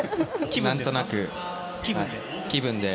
何となく、気分で。